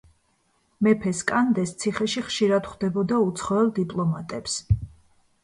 მეფე სკანდეს ციხეში ხშირად ხვდებოდა უცხოელ დიპლომატებს.